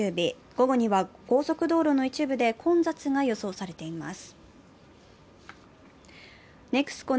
午後には高速道路の一部で混雑が予想されています。